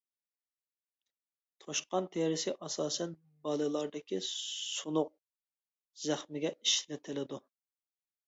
توشقان تېرىسى ئاساسەن بالىلاردىكى سۇنۇق، زەخىمگە ئىشلىتىلىدۇ.